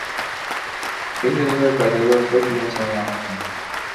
Мен өзүмө пайдалуу көп нерсе ала алдым.